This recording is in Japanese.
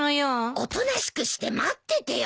おとなしくして待っててよ。